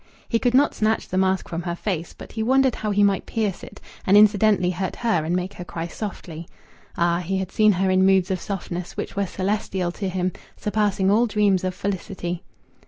He could not snatch the mask from her face, but he wondered how he might pierce it, and incidentally hurt her and make her cry softly. Ah! He had seen her in moods of softness which were celestial to him surpassing all dreams of felicity!